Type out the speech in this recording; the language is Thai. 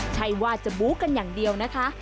ใช่ว่าจะบู๊กันอย่างเดียวนะคะ